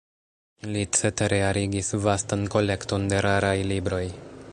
Li cetere arigis vastan kolekton de raraj libroj.